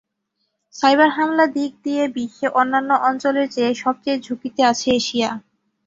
Cyber হামলা দিক দিয়ে বিশ্বে অন্যান্য অঞ্চলের চেয়ে সবচেয়ে ঝুঁকিতে আছে এশিয়া।